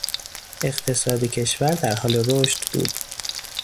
اقتصاد کشور در حال رشد بود.